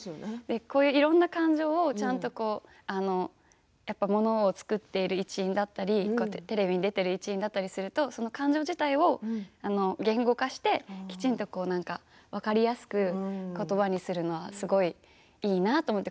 いろんな感情をものを作っている一員だったりテレビに出ている一員だったりすると感情自体を言語化して、きちんと分かりやすく言葉にするのはすごいいいなと思って。